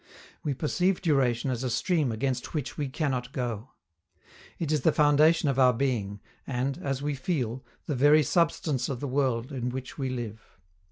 We perceive duration as a stream against which we cannot go. It is the foundation of our being, and, as we feel, the very substance of the world in which we live.